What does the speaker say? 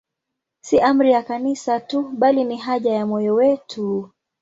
Si amri ya Kanisa tu, bali ni haja ya moyo wetu.